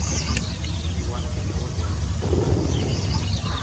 Igual que no bo teatro.